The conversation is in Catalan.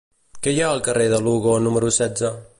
Què hi ha al carrer de Lugo número setze?